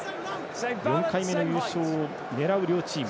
４回目の優勝を狙う両チーム。